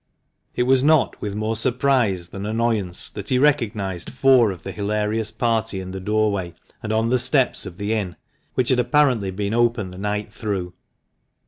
It was not with more surprise than annoyance that he recognised four of the hilarious party in the doorway and on the steps of the inn, which had apparently been open the night through.